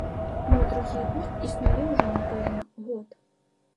Мой другі гурт існуе ўжо, напэўна, год.